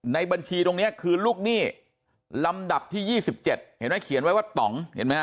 ในบัญชีตรงนี้คือลูกหนี้ลำดับที่๒๗เห็นไหมเขียนไว้ว่าต่องเห็นไหมฮ